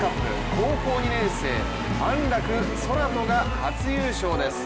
高校２年生、安楽宙斗が初優勝です。